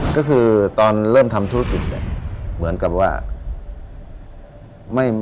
ก็คือตอนเริ่มทำธุรกิจเนี่ยเหมือนกับว่า